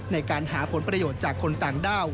ในการหาผลประโยชน์จากคนต่างด้าว